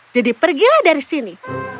jadi pergilah dari sini